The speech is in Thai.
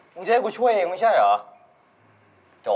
จะให้กูช่วยเองไม่ใช่เหรอ